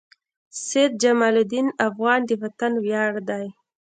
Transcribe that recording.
سيد جمال الدین افغان د وطن وياړ دي.